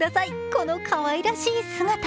このかわいらしい姿。